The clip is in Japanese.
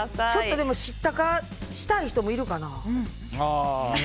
でもちょっと知ったかしたい人もいるかな。